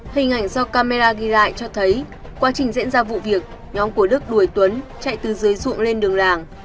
hình ảnh do camera ghi lại cho thấy quá trình diễn ra vụ việc nhóm của đức đuổi tuấn chạy từ dưới ruộng lên đường làng